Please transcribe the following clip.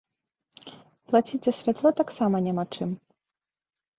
Плаціць за святло таксама няма чым.